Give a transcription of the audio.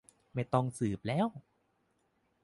ไม่ต้องสืบแล้ว